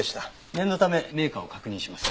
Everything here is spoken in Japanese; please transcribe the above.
念のためメーカーを確認します。